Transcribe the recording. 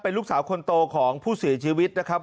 ลูกสาวคนโตของผู้เสียชีวิตนะครับ